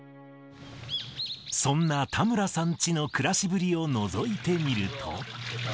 そんな田村さんチの暮らしぶりをのぞいてみると。